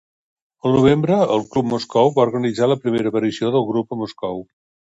Al novembre, el club "Moscou" va organitzar la primera aparició del grup a Moscou.